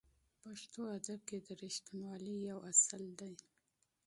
پښتو ادب کې رښتینولي یو اصل دی.